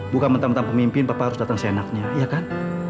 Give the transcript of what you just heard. bukan mentang mentang pemimpin papa harus datang seenaknya iya kan